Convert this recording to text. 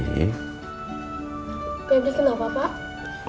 febri kenapa pak